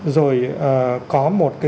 rồi có một cái